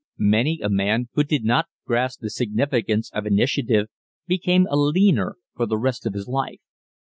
Many a man who did not grasp the significance of initiative became a "leaner" for the rest of his life.